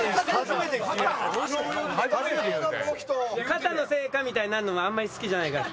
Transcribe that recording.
肩のせいかみたいになるのもあんまり好きじゃないから。